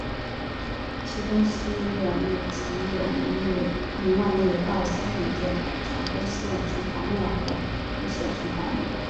其东西两翼曾有明万历二十三年建的长洲县城隍庙和吴县城隍庙。